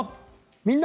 「みんな！